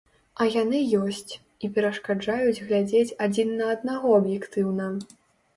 А яны ёсць, і перашкаджаюць глядзець адзін на аднаго аб'ектыўна.